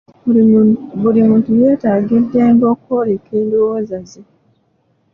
Buli muntu yetaaga e ddembe okwoleka endowooza ze.